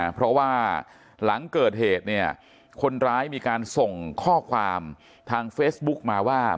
เพราะว่าหลังเกิดเหตุเนี่ยคนร้ายมีการส่งข้อความทางเฟซบุ๊กมาว่า